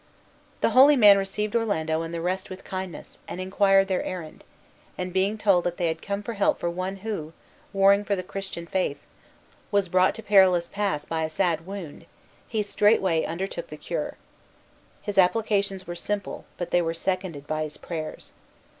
The holy man received Orlando and the rest with kindness, and inquired their errand; and being told that they had come for help for one who, warring for the Christian faith, was brought to perilous pass by a sad wound, he straightway undertook the cure. His applications were simple, but they were seconded by his prayers.